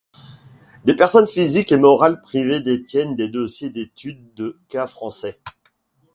Des personnes physiques et morales privées détiennent des dossiers d'études de cas français.